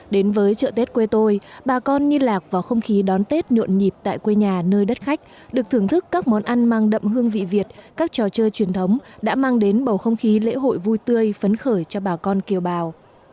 đến với chợ tết quê tôi bà con nghi lạc vào không khí đón tết nhuộn nhịp tại quê nhà nơi đất khách được thưởng thức các món ăn mang đậm hương vị việt các trò chơi truyền thống đã mang đến bầu không khí lễ hội vui tươi phấn khởi cho bà con kiều bào